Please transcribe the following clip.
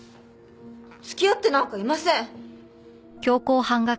付き合ってなんかいません！